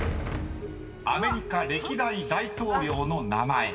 ［アメリカ歴代大統領の名前］